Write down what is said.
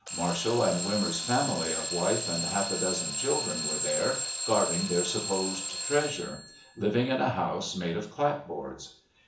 Marshall and Wimmer's family of wife and half a dozen children were there, guarding their supposed treasure; living in a house made of clapboards.